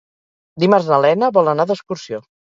Dimarts na Lena vol anar d'excursió.